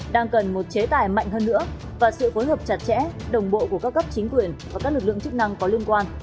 đang cần một chế tài mạnh hơn nữa và sự phối hợp chặt chẽ đồng bộ của các cấp chính quyền và các lực lượng chức năng có liên quan